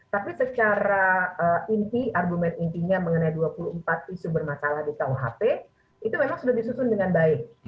tapi secara inti argumen intinya mengenai dua puluh empat isu bermasalah di kuhp itu memang sudah disusun dengan baik